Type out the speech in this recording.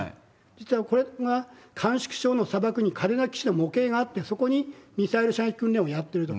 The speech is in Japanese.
実はこれがの砂漠に嘉手納基地の模型があって、そこにミサイル射撃訓練をやってると。